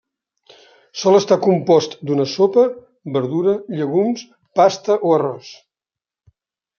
Sol estar compost d'una sopa, verdura, llegums, pasta o arròs.